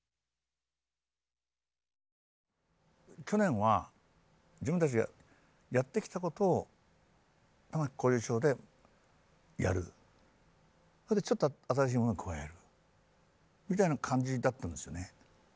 去年は自分たちがやってきた事を「玉置浩二ショー」でやるそれでちょっと新しいものを加えるみたいな感じだったんですよね。